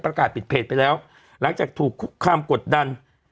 ประกาศปิดเพจไปแล้วหลังจากถูกคุกคามกดดัน